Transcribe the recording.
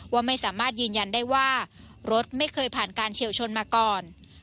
ว่าไม่สามารถยืนยันได้ว่ารถไม่เคยผ่านการเฉียวชนมาก่อน